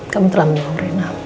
kamu telah menolong reina